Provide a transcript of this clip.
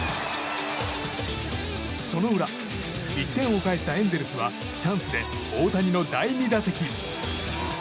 その裏、１点を返したエンゼルスはチャンスで大谷の第２打席。